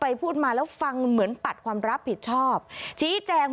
พาพนักงานสอบสวนสนราชบุรณะพาพนักงานสอบสวนสนราชบุรณะ